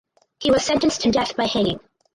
He was sentenced to death by hanging.